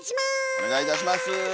お願いいたします。